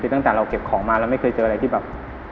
คือตั้งแต่เราเก็บของมาเราไม่เคยเจออะไรที่แบบ